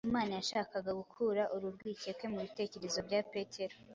Imana yashakaga gukura uru rwikekwe mu bitekerezo bya Petero